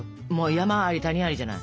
山あり谷ありじゃない。